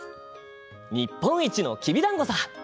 日本一のきびだんごさ。